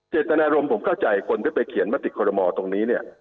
เจตนารมณ์ผมเข้าใจคนที่ไปเขียนมติคอรมอตรงนี้เนี่ย